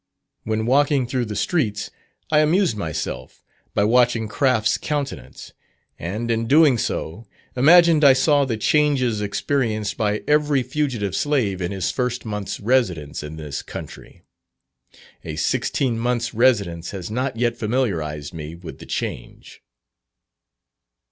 When walking through the streets, I amused myself, by watching Craft's countenance; and in doing so, imagined I saw the changes experienced by every fugitive slave in his first month's residence in this country. A sixteen months' residence has not yet familiarized me with the change.